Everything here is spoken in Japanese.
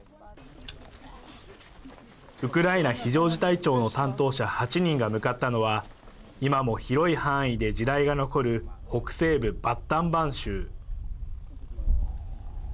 ウクライナ非常事態庁の担当者８人が向かったのは今も広い範囲で地雷が残る北西部バッタンバン州。